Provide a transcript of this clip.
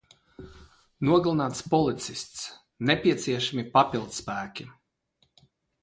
Nogalināts policists. Nepieciešami papildspēki.